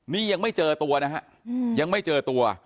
นี่ยังไม่เจอตัวนะฮะยังไม่เจอตัว